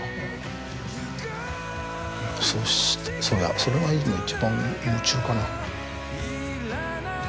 それは今一番夢中かな。